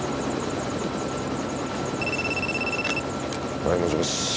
はいもしもし。